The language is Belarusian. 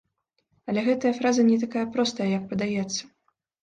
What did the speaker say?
Але гэтая фраза не такая простая, як падаецца.